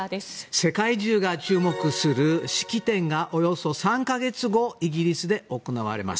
世界中が注目する式典がおよそ３か月後イギリスで行われます。